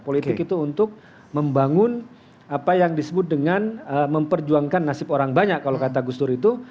politik itu untuk membangun apa yang disebut dengan memperjuangkan nasib orang banyak kalau kata gus dur itu